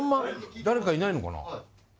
誰かいないのかな？